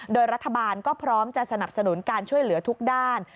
โดยรัฐบาลก็พร้อมจะสนับสนุนการช่วยเหลือทุกด้าน